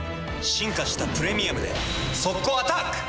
進化した「プレミアム」で速攻アタック！